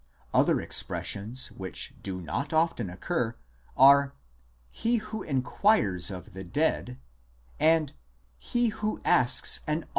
Other expressions, which do not often occur, are " he who inquires of the dead," Doresh el ha methim, and " he who asks an